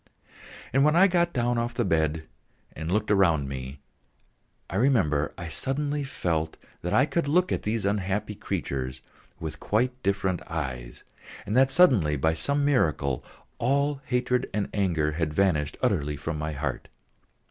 And when I got down off the bed and looked around me, I remember I suddenly felt that I could look at these unhappy creatures with quite different eyes, and that suddenly by some miracle all hatred and anger had vanished utterly from my heart.